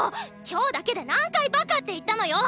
今日だけで何回バカって言ったのよ！